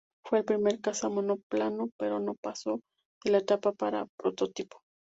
Fue el primer caza monoplano, pero no pasó de la etapa de prototipo.